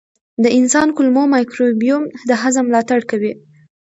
د انسان کولمو مایکروبیوم د هضم ملاتړ کوي.